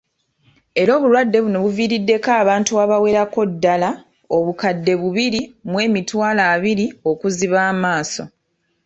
Era obulwadde buno buviriiddeko abantu abawererako ddala, obukadde bubiri mu emitwalo abiri, okuziba amaaso